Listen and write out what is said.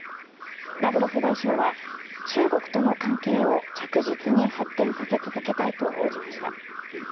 ラブロフ外相は中国との関係を着実に発展させ続けたいと応じました。